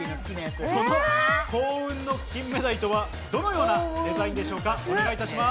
その幸運の金目鯛とは、どのようなデザインでしょうか？